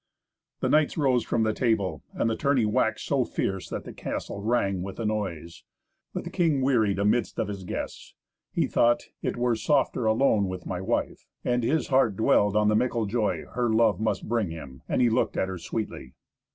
The knights rose from the table, and the tourney waxed so fierce that the castle rang with the noise. But the king wearied amidst of his guests. He thought, "It were softer alone with my wife." And his heart dwelled on the mickle joy her love must bring him, and he looked at her sweetly.